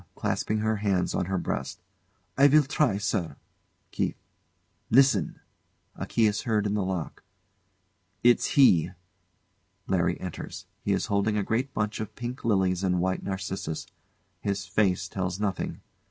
[Clasping her hands on her breast] I will try, sir. KEITH. Listen! [A key is heard in the lock.] It's he! LARRY enters. He is holding a great bunch of pink lilies and white narcissus. His face tells nothing.